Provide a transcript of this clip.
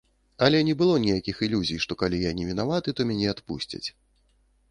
Але не было ніякіх ілюзій, што калі я не вінаваты, то мяне адпусцяць.